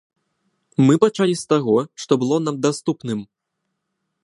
Мы пачалі з таго, што было нам даступным.